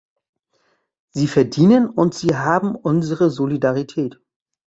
Sie verdienen und sie haben unsere Solidarität.